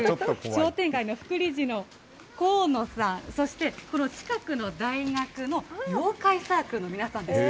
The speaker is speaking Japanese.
商店街の副理事の河野さん、そしてこの近くの大学の妖怪サークルの皆さんです。